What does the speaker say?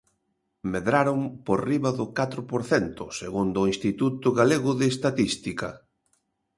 Medraron por riba do catro por cento, segundo o Instituto Galego de Estatística.